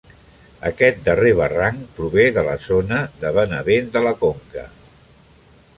Aquest darrer barranc prové de la zona de Benavent de la Conca.